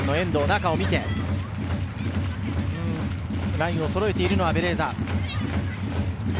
ラインをそろえているのはベレーザ。